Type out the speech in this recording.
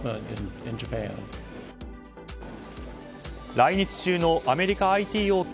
来日中のアメリカＩＴ大手